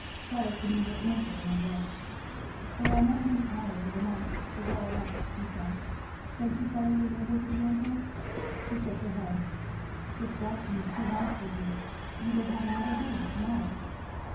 Fleda could neither answer nor look. "There are not many hours of the night to wear out," he said. "Can't you follow your neighbour's example?" She shook her head. "This watching is too hard for you. You will have another headache to morrow."